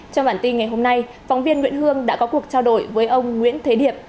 trong bản tin ngày hôm nay phóng viên nguyễn hương đã có cuộc trao đổi với ông nguyễn thế điệp